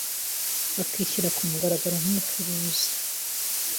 akishyira ku mugaragaro nk'Umucunguzi.